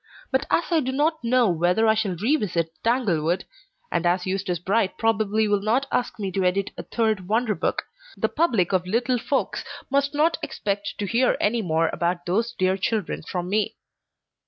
But as I do not know when I shall re visit Tanglewood, and as Eustace Bright probably will not ask me to edit a third "WonderBook," the public of little folks must not expect to hear any more about those dear children from me.